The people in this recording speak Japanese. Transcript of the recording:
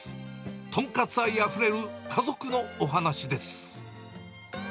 とんかつ愛あふれる家族のお話です。